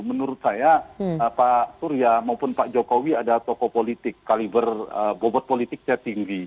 menurut saya pak surya maupun pak jokowi ada tokoh politik kaliber bobot politiknya tinggi